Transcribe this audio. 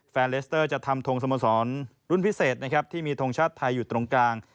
เลสเตอร์จะทำทงสโมสรรุ่นพิเศษนะครับที่มีทงชาติไทยอยู่ตรงกลาง